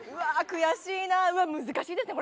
悔しいな難しいですね